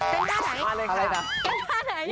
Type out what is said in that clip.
เต้นท่าไหนอะไรละเต้นท่าไหน